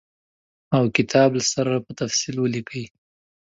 او کتاب له سره په تفصیل ولیکي.